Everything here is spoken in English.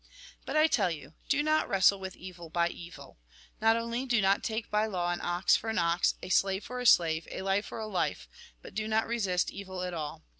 But I tell you : Do not wrestle with evil by evil. Not only do not take by law an ox for an ox, a slave for a slave, a life for a life, but do not resist evil at all.